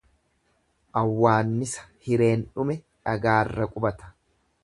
Awwaannisa hireen dhume dhagaarra qubata.